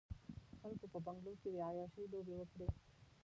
خلکو په بنګلو کې د عياشۍ لوبې وکړې.